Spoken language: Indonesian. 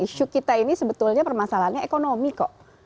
isu kita ini sebetulnya permasalahannya ekonomi kok